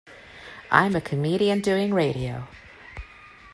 I'm a comedian doing radio.